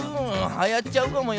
はやっちゃうかもよ。